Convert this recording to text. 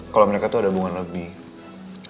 kalau mereka tuh ada bunga lebih